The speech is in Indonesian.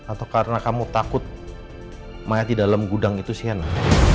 atau karena kamu takut mayat di dalam gudang itu sih enak